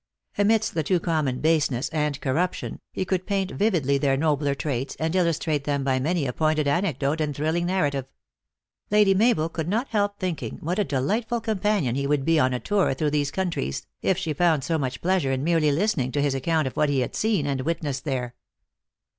Amidst the too common baseness and corruption, he could paint vividly their nobler traits, and illustrate them by many a pointed anecdote and thrilling narrative. Lady Mabel could not help thinking what a delightful companion he would be on a tour through these coun tries, it she found so much pleasure in merely listen ing to his account of what he had seen and witnessed there.